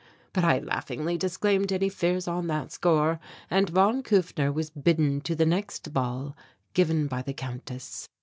But I laughingly disclaimed any fears on that score and von Kufner was bidden to the next ball given by the Countess.